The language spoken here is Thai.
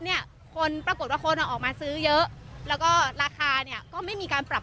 เนี่ยคนปรากฏว่าคนอ่ะออกมาซื้อเยอะแล้วก็ราคาเนี่ยก็ไม่มีการปรับ